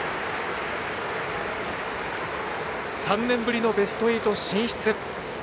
３ 年ぶりのベスト８進出。